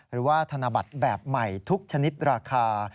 หรือว่าธนบัตรแบบใหม่ทุกชนิดราคา